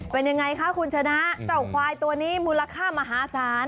เป็นยังไงคะคุณชนะเจ้าควายตัวนี้มูลค่ามหาศาล